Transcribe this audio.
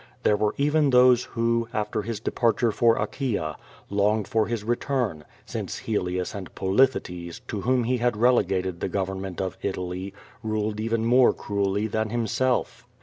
There wen even those who, after his departure for Achaea, longed for his return, since Helius and Polythetes, to whom he had relegated the government of Italy, ruled even more cruelly than himself.